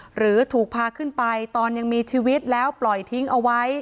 หรือถูกพาขึ้นไปตอนยังมีชีวิตแล้วปล่อยทิ้งเอาไว้